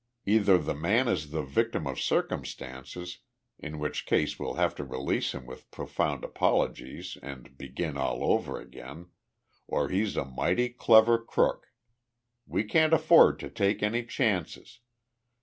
Either the man is the victim of circumstances in which case we'll have to release him with profound apologies and begin all over again or he's a mighty clever crook. We can't afford to take any chances.